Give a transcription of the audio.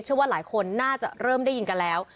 เชื่อว่าหลายคนน่าจะเริ่มได้ยินกันแล้ว